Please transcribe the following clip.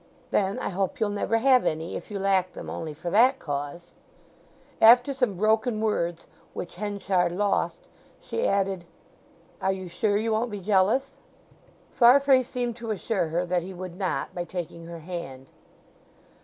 "Then I hope you'll never have any, if you lack them only for that cause." After some broken words which Henchard lost she added, "Are you sure you won't be jealous?" Farfrae seemed to assure her that he would not, by taking her hand.